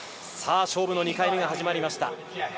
勝負の２回目が始まりました。